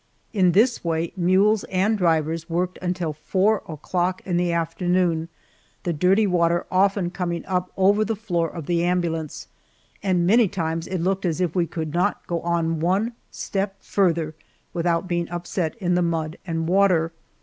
In this way mules and drivers worked until four o'clock in the afternoon, the dirty water often coming up over the floor of the ambulance, and many times it looked as if we could not go on one step farther without being upset in the mud and water.